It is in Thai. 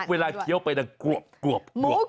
เวลาเคี้ยวไปกรอบ